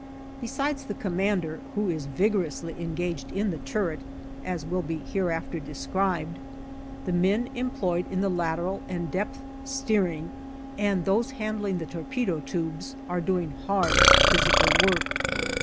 Besides the commander, who is vigorously engaged in the turret, as will be hereafter described, the men, employed on the lateral and depth steering, and those handling the torpedo tubes, are doing hard physical work.